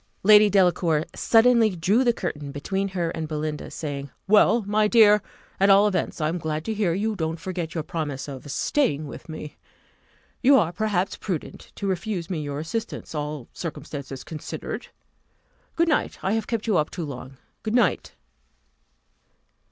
Lady Delacour suddenly drew the curtain between her and Belinda, saying, "Well, my dear, at all events, I am glad to hear you don't forget your promise of staying with me. You are, perhaps, prudent to refuse me your assistance, all circumstances considered. Good night: I have kept you up too long good night!"